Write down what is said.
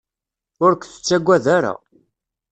Ur k-tettagad ara.